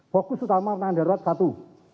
fokus utama penanganan darurat satu